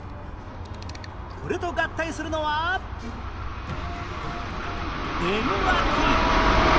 これと合体するのは電話機